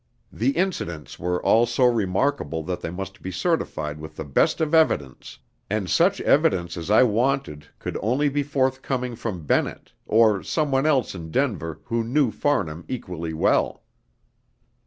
The incidents were all so remarkable that they must be certified with the best of evidence, and such evidence as I wanted could only be forthcoming from Bennett, or someone else in Denver who knew Farnham equally well.